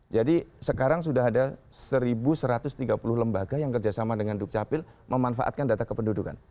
jadi sekarang sudah ada seribu satu ratus tiga puluh lembaga yang kerjasama dengan duk capil memanfaatkan data kependudukan